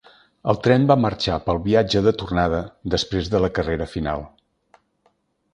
El tren va marxar pel viatge de tornada després de la carrera final.